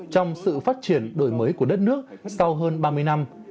và phát triển đổi mới của đất nước sau hơn ba mươi năm